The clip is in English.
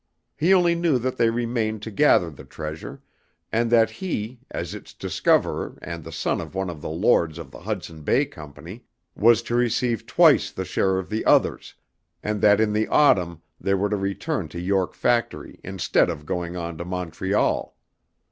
He only knew that they remained to gather the treasure, and that he, as its discoverer and the son of one of the lords of the Hudson Bay Company, was to receive twice the share of the others, and that in the autumn they were to return to York Factory instead of going on to Montreal.